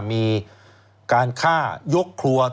มีการฆ่ายกครัว